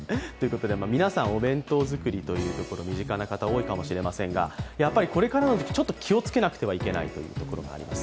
皆さん、お弁当作りというところ身近な方、多いかもしれませんが、やっぱりこれからの時期ちょっと気をつけなくてはいけないというところがあります。